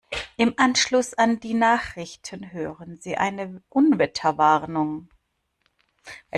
Im Anschluss an die Nachrichten hören Sie eine Unwetterwarnung.